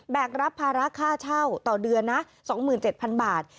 กรับภาระค่าเช่าต่อเดือนนะ๒๗๐๐บาท